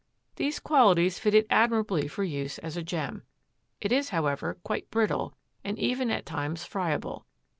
These qualities fit it admirably for use as a gem. It is, however, quite brittle and even at times friable.